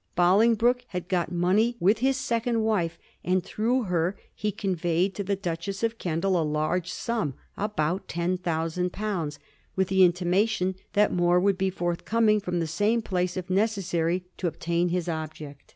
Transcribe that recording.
Bolingbroke had got money with his second wife, and through her he conveyed to the Duchess of Kendal a large sum — about ten thou sand pounds — with the intimation that more would be forthcoming from the same place, if necessary, to obtain his object.